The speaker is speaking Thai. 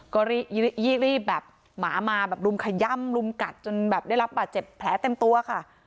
ก็รีบแบบหมามาแบบรุมขย่ำรุมกัดจนแบบได้รับบาดเจ็บแผลเต็มตัวค่ะ